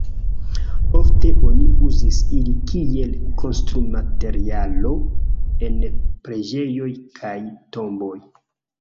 Ofte oni uzis ili kiel konstrumaterialo en preĝejoj kaj tomboj.